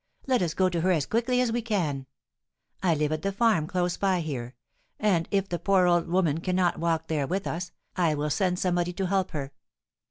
Let us go to her as quickly as we can! I live at the farm close by here; and, if the poor old woman cannot walk there with us, I will send somebody to help her!"